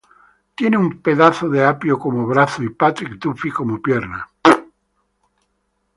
Tiene un pedazo de apio como brazo y Patrick Duffy como pierna.